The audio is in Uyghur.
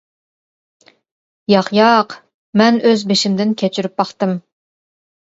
» «ياق، ياق، مەن ئۆز بېشىمدىن كەچۈرۈپ باقتىم.